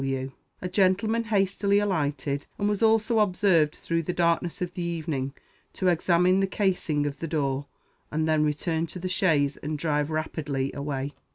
W." A gentleman hastily alighted, and was also observed through the darkness of the evening to examine the casing of the door, and then return to the chaise and drive rapidly away.